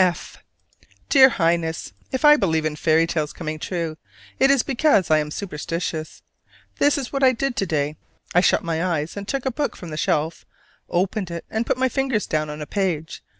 F. Dear Highness: If I believe in fairy tales coming true, it is because I am superstitious. This is what I did to day. I shut my eyes and took a book from the shelf, opened it, and put my fingers down on a page.